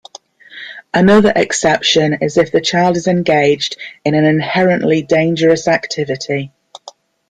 Another exception is if the child is engaged in an inherently dangerous activity.